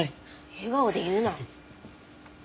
笑顔で言うな。